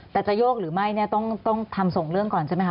แต่จะโยกหรือไม่เนี่ยต้องทำส่งเรื่องก่อนใช่ไหมค